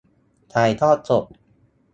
ถ่ายทอดสด